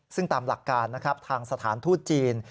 ซึ่งตามหลักการทางสถานทูตจีน